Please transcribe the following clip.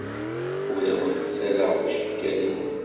Ur awen-ttarraɣ ticekkalin.